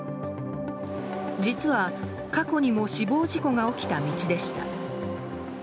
実は、過去にも死亡事故が起きた道でした。